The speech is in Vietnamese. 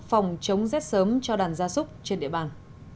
phòng chống rét sớm cho đàn gia súc trên địa bàn